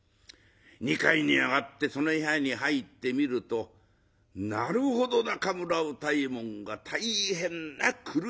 ２階に上がってその部屋に入ってみるとなるほど中村歌右衛門が大変な苦しみようでございます。